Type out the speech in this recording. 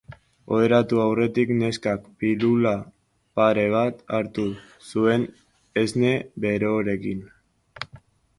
Oheratu aurretik, neskak pilula pare bat hartu zuen esne beroarekin.